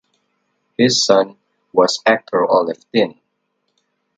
His son was actor Olev Tinn.